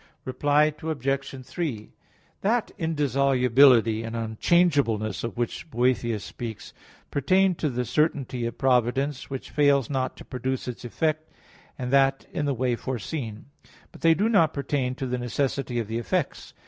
Reply Obj. 3: That indissolubility and unchangeableness of which Boethius speaks, pertain to the certainty of providence, which fails not to produce its effect, and that in the way foreseen; but they do not pertain to the necessity of the effects.